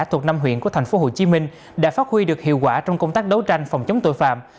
thuộc năm huyện của tp hcm đã phát huy được hiệu quả trong công tác đấu tranh phòng chống tội phạm